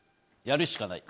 やるしかない。